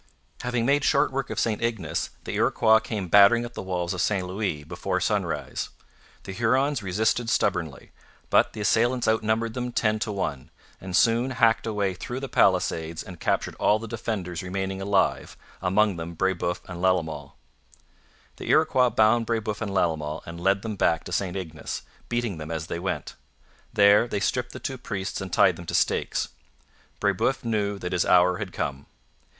Having made short work of St Ignace, the Iroquois came battering at the walls of St Louis before sunrise. The Hurons resisted stubbornly; but the assailants outnumbered them ten to one, and soon hacked a way through the palisades and captured all the defenders remaining alive, among them Brebeuf and Lalemant. The Iroquois bound Brebeuf and Lalemant and led them back to St Ignace, beating them as they went. There they stripped the two priests and tied them to stakes. Brebeuf knew that his hour had come.